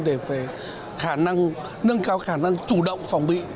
để phải nâng cao khả năng chủ động phòng bị